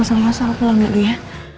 aku selalu selalu pulang dulu ya